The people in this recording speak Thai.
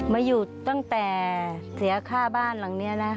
มาอยู่ตั้งแต่เสียค่าบ้านหลังนี้นะ